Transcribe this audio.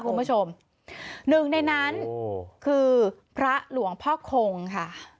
คุณผู้ชมหนึ่งในนั้นคือพระหลวงพ่อคงค่ะ